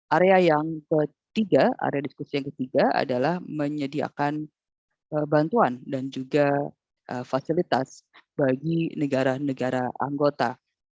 area yang ketiga area diskusi yang ketiga adalah menyediakan bantuan dan juga fasilitas bagi negara negara anggota